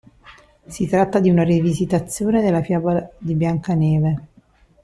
Si tratta di una rivisitazione della fiaba di "Biancaneve".